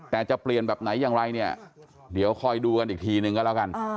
แต่จะเปลี่ยนแบบไหนอย่างไรเนี่ยเดี๋ยวคอยดูกันอีกทีนึงก็แล้วกัน